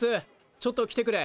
ちょっと来てくれ！